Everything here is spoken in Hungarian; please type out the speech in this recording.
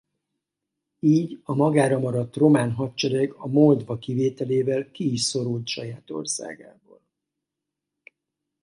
Így a magára maradt román hadsereg a Moldva kivételével ki is szorult saját országából.